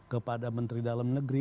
kepada menteri dalam negeri